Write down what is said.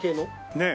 ねえ。